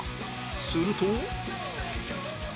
すると